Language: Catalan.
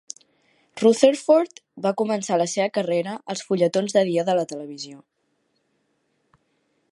Rutherford va començar la seva carrera als fulletons de dia de la televisió.